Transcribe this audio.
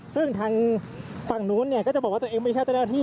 ซึ่งทางฝั่งนู้นก็จะบอกว่าตัวเองไม่ใช่เจ้าหน้าที่